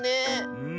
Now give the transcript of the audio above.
うん。